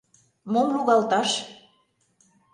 — Мом лугалташ?